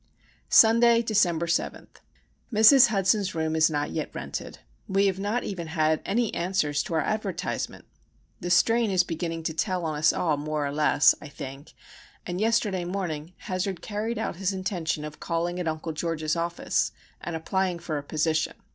Sunday, December 7. Mrs. Hudson's room is not yet rented. We have not even had any answers to our advertisement. The strain is beginning to tell on us all more or less, I think; and yesterday morning Hazard carried out his intention of calling at Uncle George's office and applying for a position.